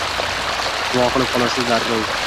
Duo qilib qolasiz darrov